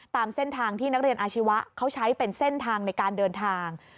ตามเส้นทางที่นักเรียนอาชีวะเขาใช้เป็นเส้นทางในการเดินทาง